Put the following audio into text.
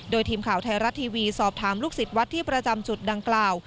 โดยทีมข่าวไทยรัฐทีวีสอบถามลูกศิษย์วัดที่ประจำจุดดังกล่าว